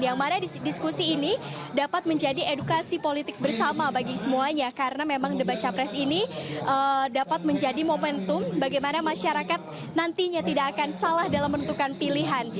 yang mana diskusi ini dapat menjadi edukasi politik bersama bagi semuanya karena memang debat capres ini dapat menjadi momentum bagaimana masyarakat nantinya tidak akan salah dalam menentukan pilihan